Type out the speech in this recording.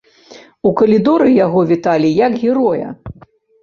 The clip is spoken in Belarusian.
У калідоры яго віталі як героя.